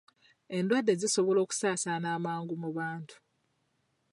Endwadde zisobola okusaasaana amangu mu bantu